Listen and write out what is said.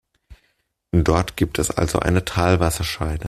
Dort gibt es also eine Talwasserscheide.